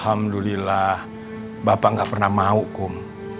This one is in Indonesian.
alhamdulillah bapak nggak pernah mau kum